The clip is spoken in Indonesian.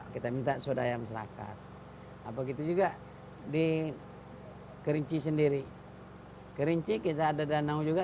kita minta swadaya masyarakat apa gitu juga di kerinci sendiri kerinci kita ada danau juga